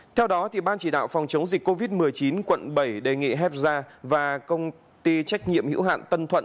theo đó ban chỉ đạo phòng chống dịch covid một mươi chín quận bảy đề nghị hepsa và công ty trách nhiệm hữu hạn tân thuận